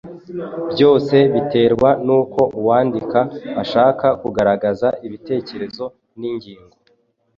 Byose biterwa n’uko uwandika ashaka kugaragaza ibitekerezo n’ingingo